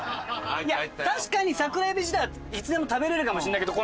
いや確かに桜えび自体はいつでも食べられるかもしれないけど